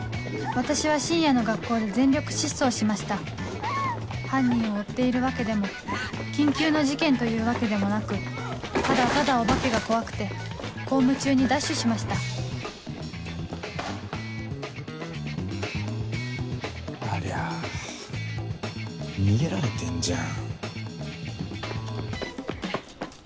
私は深夜の学校で全力疾走しました犯人を追っているわけでも緊急の事件というわけでもなくただただお化けが怖くて公務中にダッシュしましたありゃ逃げられてんじゃん。